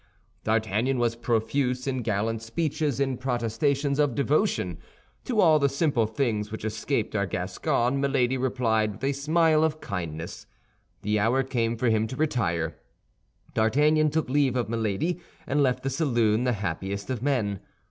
D'Artagnan was profuse in gallant speeches and protestations of devotion. To all the simple things which escaped our Gascon, Milady replied with a smile of kindness. The hour came for him to retire. D'Artagnan took leave of Milady, and left the saloon the happiest of men.